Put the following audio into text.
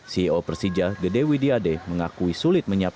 ceo persija gede widyade mengakui sulit menyapapun